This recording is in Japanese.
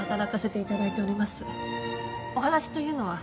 お話というのは？